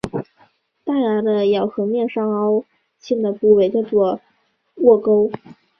大牙的咬合面上凹陷的部位叫窝沟。